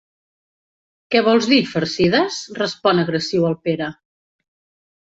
Què vols dir, farcides? —respon agressiu el Pere—.